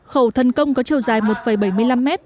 khẩu thần công có chiều dài một bảy mươi năm m